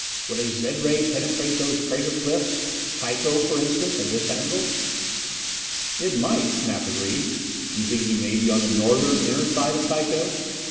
"Would a zed ray penetrate those crater cliffs? Tycho, for instance, at this angle?"[B] "It might," Snap agreed. "You think he may be on the Northern inner side of Tycho?"